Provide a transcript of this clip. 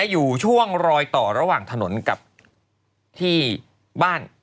อยู่ช่วงรอยต่อระหว่างถนนกับที่บ้าน